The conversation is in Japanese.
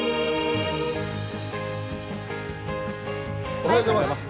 おはようございます。